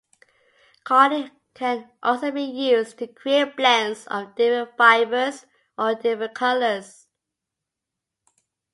Carding can also be used to create blends of different fibres or different colours.